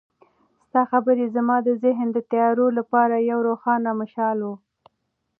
ستا خبرې زما د ذهن د تیارو لپاره یو روښانه مشال و.